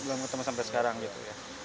belum temu sampai sekarang gitu